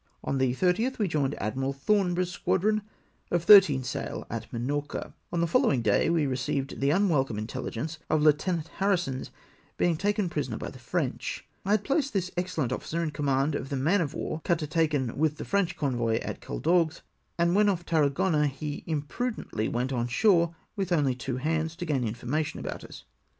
On the 30th we joined Admiral Thornborough's squadron of thirteen sail at Minorca. On the foUowing day we received the unwelcome* mtelhgence of Lieu tenant Harrison's having been taken prisoner by the French. I had placed this excellent ofiicer in command of the man of war cutter taken with the French convoy at Caldagues, and when off Tarragona he imprudently went on shore mth only two hands, to gain information about us.